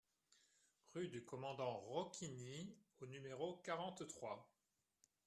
Rue du Commandant Roquigny au numéro quarante-trois